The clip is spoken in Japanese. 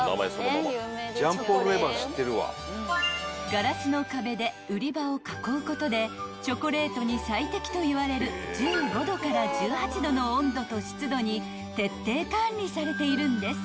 ［ガラスの壁で売り場を囲うことでチョコレートに最適といわれる１５℃から１８℃の温度と湿度に徹底管理されているんです］